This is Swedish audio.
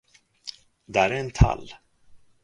Där är en tall.